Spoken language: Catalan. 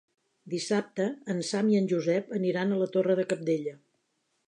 Dissabte en Sam i en Josep aniran a la Torre de Cabdella.